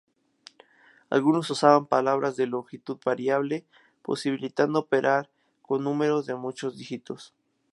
Algunos usaban palabras de longitud variable, posibilitando operar con números de muchos dígitos.